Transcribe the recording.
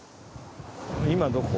今どこ？